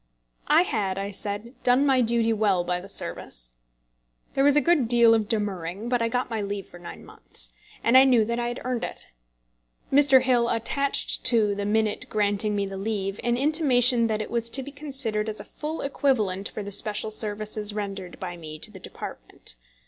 I had, I said, done my duty well by the service. There was a good deal of demurring, but I got my leave for nine months, and I knew that I had earned it. Mr. Hill attached to the minute granting me the leave an intimation that it was to be considered as a full equivalent for the special services rendered by me to the department.